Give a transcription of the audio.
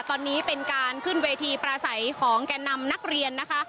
ตอนนี้เป็นการขึ้นเวทีประสัยของแก่นำนักเรียนนะคะ